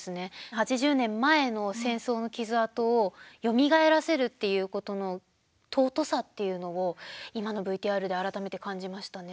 ８０年前の戦争の傷痕をよみがえらせるっていうことの尊さっていうのを今のＶＴＲで改めて感じましたね。